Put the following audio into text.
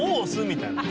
みたいな。